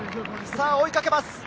追いかけます。